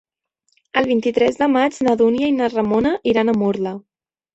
El vint-i-tres de maig na Dúnia i na Ramona iran a Murla.